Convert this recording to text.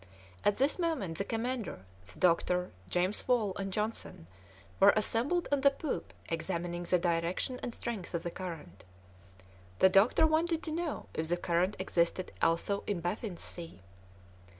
At this moment the commander, the doctor, James Wall, and Johnson were assembled on the poop examining the direction and strength of the current. The doctor wanted to know if the current existed also in Baffin's Sea.